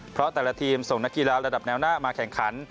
เพราะแต่ละทีมส่งนักกีฬาระดับแนวหน้ามาแข่งขัน